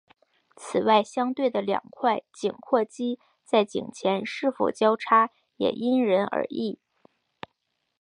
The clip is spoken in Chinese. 此外相对的两块颈阔肌在颈前是否交叉也因人而异。